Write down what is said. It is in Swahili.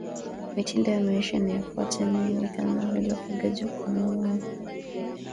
mitindo ya maisha inayofuatwa eneo hili kama vile ufugaji wa kuhamahama uhamaji wa kila